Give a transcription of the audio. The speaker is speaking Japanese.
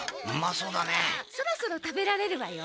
そろそろ食べられるわよ。